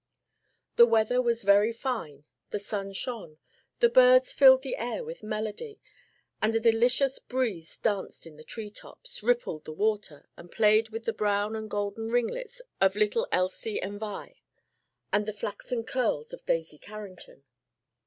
The weather was very fine, the sun shone, the birds filled the air with melody, and a delicious breeze danced in the tree tops, rippled the water, and played with the brown and golden ringlets of little Elsie and Vi, and the flaxen curls of Daisy Carrington.